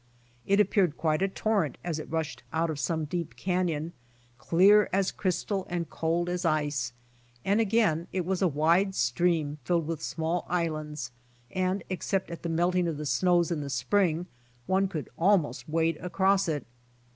It appeared quite a torrent as it rushed out of some deep canyon, clear as crystal and cold as ice, and again it was a wide stream filled with small islands, and except at the melting of the snows in the spring, one could almost wade across it.